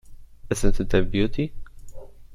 Isn't it a beauty?